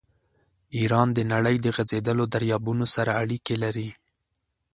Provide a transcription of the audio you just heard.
ایران د نړۍ د غځېدلو دریابونو سره اړیکې لري.